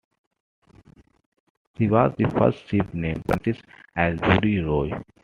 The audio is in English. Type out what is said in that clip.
She was the first ship named for Francis Asbury Roe.